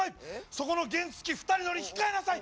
そこの原付２人乗り控えなさい！